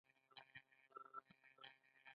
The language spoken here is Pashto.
هغه ناسم، زهرجن او له کرکې ډک پراخ هدفمند تبلیغات کول